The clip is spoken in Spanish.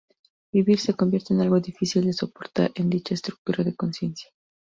Vivir se convierte en algo difícil de soportar en dicha estructura de conciencia.